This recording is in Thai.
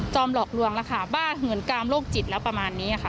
หลอกลวงแล้วค่ะบ้าเหมือนกามโรคจิตแล้วประมาณนี้ค่ะ